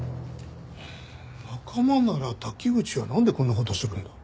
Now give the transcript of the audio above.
仲間なら滝口はなんでこんな事をするんだ？